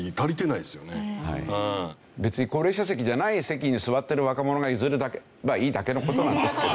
別に高齢者席じゃない席に座ってる若者が譲ればいいだけの事なんですけど。